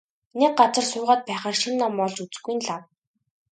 Нэг газар суугаад байхаар шинэ юм олж үзэхгүй нь лав.